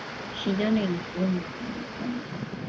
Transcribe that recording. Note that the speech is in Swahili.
Shindano iko nauma